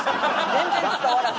全然伝わらへん。